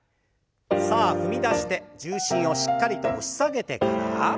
さあ踏み出して重心をしっかりと押し下げてから。